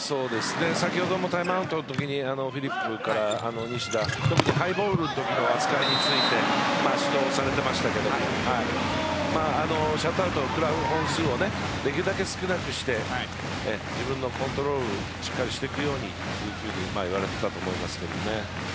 先ほどもタイムアウトのときにフィリップから西田ハイボールのつなぎについて指導されてましたけどシャットアウトをくらう本数をできるだけ少なくして自分のコントロールをしっかりしていくようにと言われていたと思うんですけどね。